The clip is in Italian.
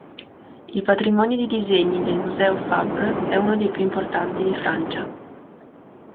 Il patrimonio di disegni del Museo Fabre è uno dei più importanti di Francia.